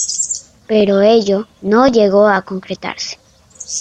Pero ello no llegó a concretarse.